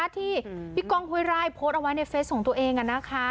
ที่พี่ก้องห้วยไร่โพสต์เอาไว้ในเฟสของตัวเอง